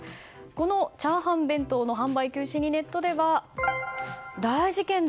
この炒飯弁当の販売休止にネットでは大事件だ！